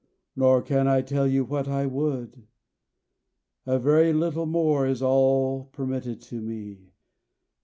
Nor can I tell you what I would. A very little more, is all permitted to me.